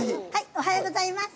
おはようございます。